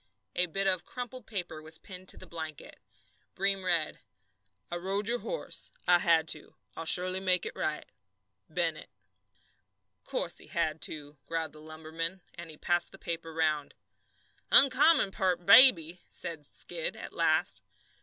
A bit of crumpled paper was pinned to the blanket. Breem read: I rode your horse. I had to. I'll surely make it right. BENNETT. "Course he had to!" growled the lumberman, and he passed the paper round. "Oncommon peart baby," said Skid, at last.